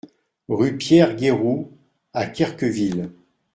Rue Pierre Guéroult à Querqueville